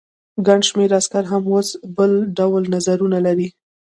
ګڼ شمېر عسکر هم اوس بل ډول نظرونه لري.